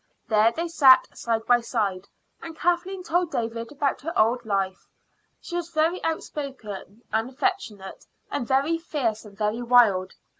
There they sat side by side, and Kathleen told David about her old life. She was very outspoken and affectionate, and very fierce and very wild.